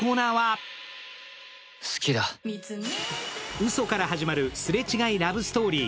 うそから始まるすれ違いラブストーリー